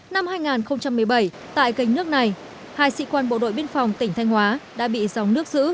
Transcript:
năm hai nghìn một mươi bảy tại gánh nước này hai sĩ quan bộ đội biên phòng tỉnh thanh hóa đã bị dòng nước giữ